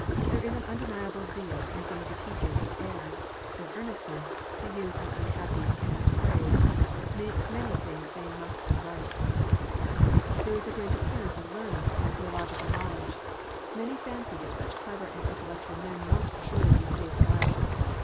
There is an undeniable zeal in some of the teachers of error : their " earnestness " (to use an unhappy cant phrase) makes many think they must be right. DIVERS AND STKANGE DOCTEINES. 351 There is a great appearance of learning and theological know ledge : many fancy that such clever and intellectual men must surely be safe guides.